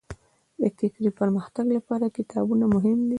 د فکري پرمختګ لپاره کتابونه مهم دي.